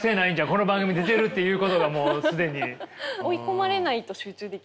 この番組出てるっていうことがもう既に。